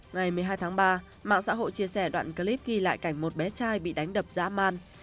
ngày một mươi hai tháng ba mạng xã hội chia sẻ đoạn clip ghi lại cảnh một bé trai bị đánh đập dã man